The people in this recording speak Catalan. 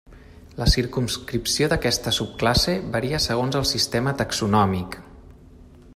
La circumscripció d'aquesta subclasse varia segons el sistema taxonòmic.